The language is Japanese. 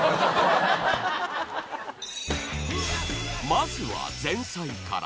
［まずは前菜から］